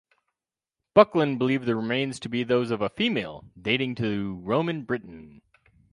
Buckland believed the remains to be those of a female, dating to Roman Britain.